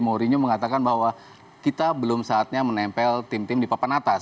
mourinho mengatakan bahwa kita belum saatnya menempel tim tim di papan atas